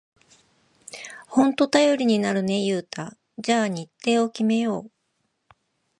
ほんと頼りになるね、ユウタ。じゃあ日程を決めよう！